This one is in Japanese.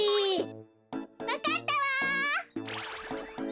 わかったわ！